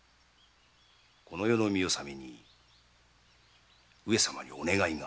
この世の見納めに上様にお願いが。